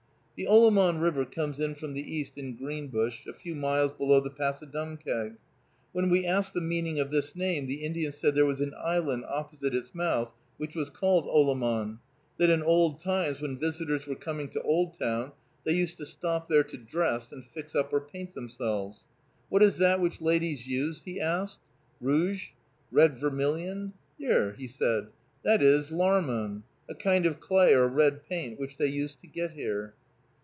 The Olamon River comes in from the east in Greenbush a few miles below the Passadumkeag. When we asked the meaning of this name, the Indian said there was an island opposite its mouth which was called Olarmon; that in old times, when visitors were coming to Oldtown, they used to stop there to dress and fix up or paint themselves. "What is that which ladies used?" he asked. Rouge? Red Vermilion? "Yer," he said, "that is larmon, a kind of clay or red paint, which they used to get here."